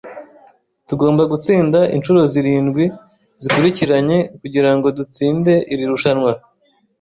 Tugomba gutsinda inshuro zirindwi zikurikiranye kugirango dutsinde iri rushanwa.